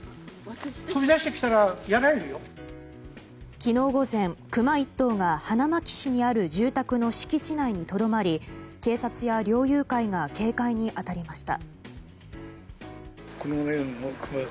昨日午前クマ１頭が花巻市にある住宅の敷地内にとどまり警察や猟友会が警戒に当たりました。